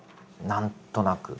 何となく。